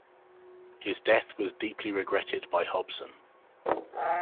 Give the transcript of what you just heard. His death was deeply regretted by Hobson.